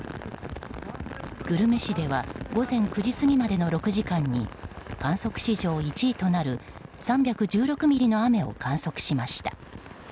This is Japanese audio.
久留米市では午前９時過ぎまでの６時間に観測史上１位となる３１６ミリの雨を観測しました。